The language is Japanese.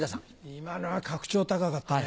今のは格調高かったね。